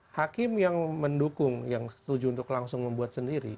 hakim yang mendukung yang setuju untuk langsung membuat sendiri